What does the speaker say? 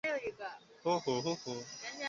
沧源近溪蟹为溪蟹科近溪蟹属的动物。